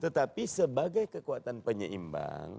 tetapi sebagai kekuatan penyeimbang